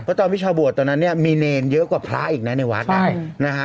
เพราะตอนวิชาบวชตอนนั้นเนี่ยมีเนรเยอะกว่าพระอีกนะในวัดนะฮะ